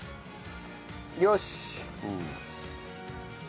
よし。